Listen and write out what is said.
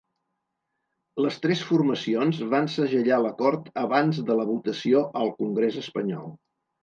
Les tres formacions van segellar l’acord abans de la votació al congrés espanyol.